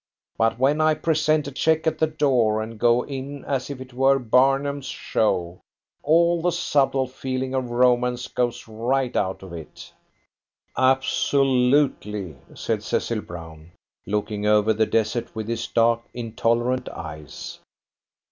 But when I present a check at the door, and go in as if it were Barnum's show, all the subtle feeling of romance goes right out of it." "Absolutely!" said Cecil Brown, looking over the desert with his dark, intolerant eyes.